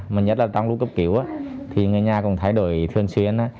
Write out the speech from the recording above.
mà nhất là trong lúc cấp cứu thì người nhà cũng thay đổi thường xuyên